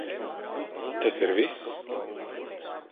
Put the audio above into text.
Tas ir viss?